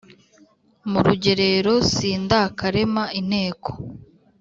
Mu rugerero sindakarema inteko